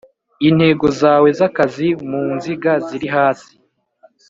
Intego zawe z akazi mu nziga ziri hasi